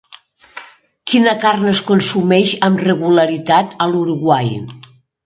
Quina carn es consumeix amb regularitat a l'Uruguai?